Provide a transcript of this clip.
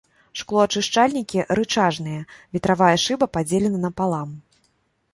Шклоачышчальнікі рычажныя, ветравая шыба падзелена напалам.